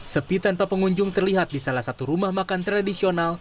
sepi tanpa pengunjung terlihat di salah satu rumah makan tradisional